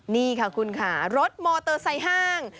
นี่ค่ะคุณค่ะรถมอเตอร์ไซค์ห้าง